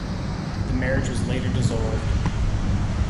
The marriage was later dissolved.